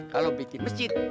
kalau bikin masjid